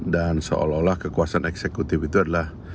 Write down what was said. dan seolah olah kekuasaan eksekutif itu adalah